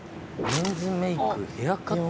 メンズメイクヘアカット。